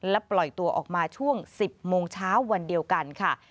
และปล่อยตัวออกมาช่วง๑๐โมงเช้าวันเดียวกันค่ะ